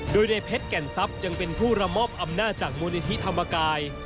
โดยในเพชรแก่นทรัพย์ยังเป็นผู้ระมอบอำนาจจากมูลนิธิธรรมกาย